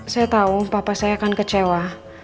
saya tahu papa saya akan kecewa